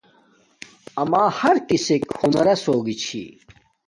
اما ہر چیسک ہنراس ہوگی چھی